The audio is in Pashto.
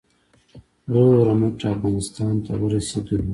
روغ رمټ افغانستان ته ورسېدلو.